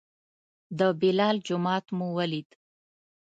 د بلال جومات مو ولید.